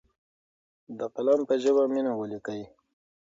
د قلم په ژبه مینه ولیکئ.